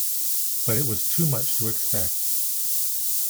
But it was too much to expect.